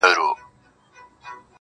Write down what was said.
زه هم دا ستا له لاسه.